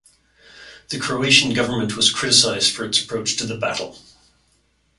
The Croatian government was criticised for its approach to the battle.